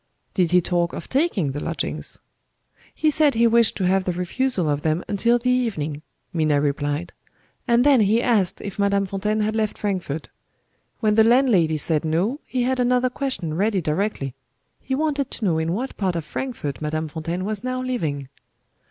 "Did he talk of taking the lodgings?" "He said he wished to have the refusal of them until the evening," Minna replied; "and then he asked if Madame Fontaine had left Frankfort. When the landlady said No, he had another question ready directly. He wanted to know in what part of Frankfort Madame Fontaine was now living."